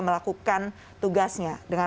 melakukan tugasnya dengan